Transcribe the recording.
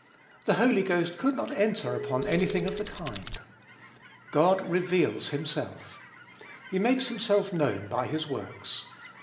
The Holy Ghost could not enter upon any thing of the kind. God reveals himself. He makes himself known by his works.